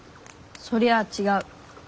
そりゃあ違う。